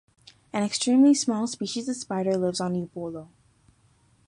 An extremely small species of spider lives on Upolu.